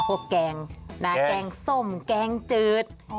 แกงแกงส้มแกงจืด